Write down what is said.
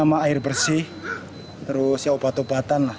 sama air bersih terus ya obat obatan lah